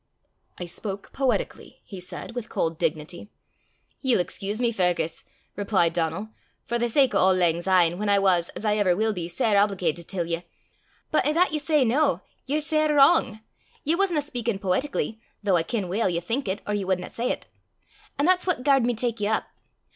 "I spoke poetically," he said, with cold dignity. "Ye'll excuse me, Fergus," replied Donal, " for the sake o' auld langsyne, whan I was, as I ever will be, sair obligatit till ye but i' that ye say noo, ye're sair wrang: ye wasna speykin' poetically, though I ken weel ye think it, or ye wadna say 't; an' that's what garred me tak ye up.